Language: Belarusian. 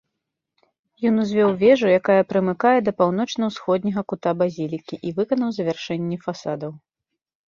Ён узвёў вежу, якая прымыкае да паўночна-ўсходняга кута базілікі, і выканаў завяршэнне фасадаў.